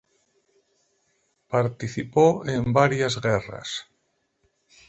Participó en varias guerras.